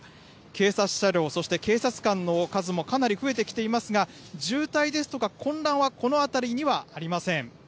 警察車両、そして警察官の数もかなり増えてきていますが、渋滞ですとか、混乱はこの辺りにはありません。